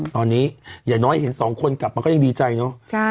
ตอนนี้อย่างน้อยเห็นสองคนกลับมาก็ยังดีใจเนอะ